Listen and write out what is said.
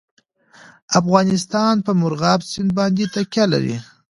افغانستان په مورغاب سیند باندې تکیه لري.